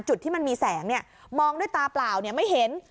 จุดที่มันมีแสงเนี้ยมองด้วยตาเปล่าเนี้ยไม่เห็น